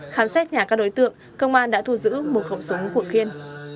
khám xét nhà các đối tượng công an đã thu giữ một khẩu súng của khiên